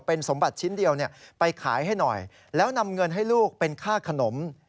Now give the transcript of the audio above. เป็นสมบัติชิ้นเดียวไปขายให้หน่อยแล้วนำเงินให้ลูกเป็นค่าขนม